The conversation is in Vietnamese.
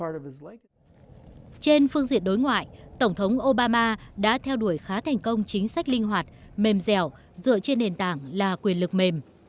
trên phương diện đối ngoại tổng thống obama đã theo đuổi khá thành công chính sách linh hoạt mềm dẻo dựa trên nền tảng là quyền lực mềm